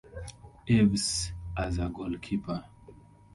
Aves as a goalkeeper.